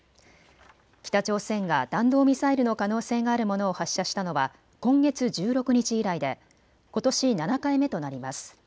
北朝鮮が弾道ミサイルの可能性があるものを発射したのは今月１６日以来でことし７回目となります。